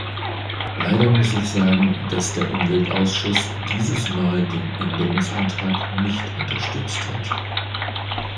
Leider muss ich sagen, dass der Umweltausschuss dieses Mal den Änderungsantrag nicht unterstützt hat.